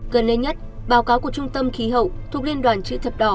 gần đây nhất báo cáo của trung tâm khí hậu thuộc liên đoàn chữ thập đỏ